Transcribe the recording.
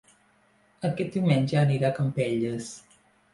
Aquest diumenge aniré a Campelles